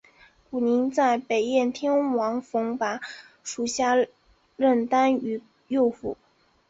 古泥在北燕天王冯跋属下任单于右辅。